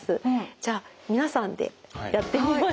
じゃあ皆さんでやってみましょうか。